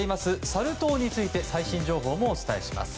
サル痘について最新情報もお伝えします。